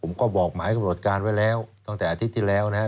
ผมก็บอกหมายกำหนดการไว้แล้วตั้งแต่อาทิตย์ที่แล้วนะฮะ